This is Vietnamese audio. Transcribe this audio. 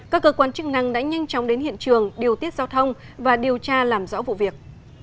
các cơ quan chức năng đã nhanh chóng đến hiện trường điều tiết giao thông và điều tra làm rõ vụ việc